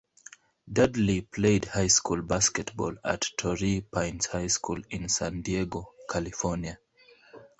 Dudley played high school basketball at Torrey Pines High School in San Diego, California.